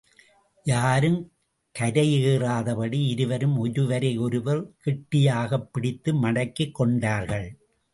யாரும் கரையேறாதபடி இருவரும் ஒருவரை ஒருவர் கெட்டியாகப் பிடித்து மடக்கிக் கொண்டார்கள்.